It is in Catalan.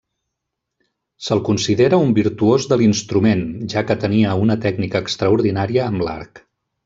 Se'l considera un virtuós de l'instrument, ja que tenia una tècnica extraordinària amb l'arc.